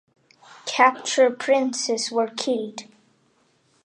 Captured princes were killed.